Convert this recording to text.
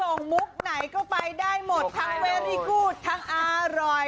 มุกไหนเข้าไปได้หมดทั้งเวอรี่พูดทั้งอร่อย